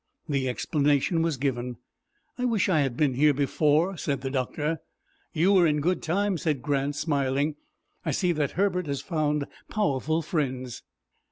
The explanation was given. "I wish I had been here before," said the doctor. "You were in good time," said Grant, smiling. "I see that Herbert has found powerful friends."